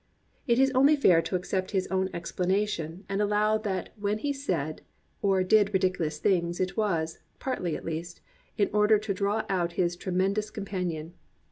It is only fair to accept his own explanation and allow that when he said or did ridiculous things it was, partly at least, in order to draw out his Tremendous Com panion.